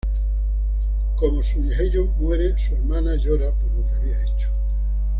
Como Su-hyeon muere, su hermana llora por lo que había hecho.